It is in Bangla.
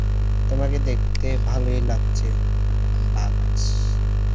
তোমাকে দেখতে ভালোই লাগছে, বায।